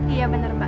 iya bener mbak